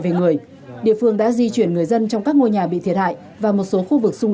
về người địa phương đã di chuyển người dân trong các ngôi nhà bị thiệt hại và một số khu vực xung